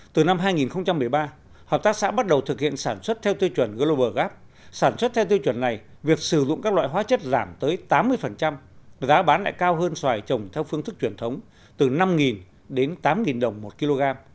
từ năm hai nghìn một mươi ba hợp tác xã bắt đầu thực hiện sản xuất theo tiêu chuẩn global gap sản xuất theo tiêu chuẩn này việc sử dụng các loại hóa chất giảm tới tám mươi giá bán lại cao hơn xoài trồng theo phương thức truyền thống từ năm đến tám đồng một kg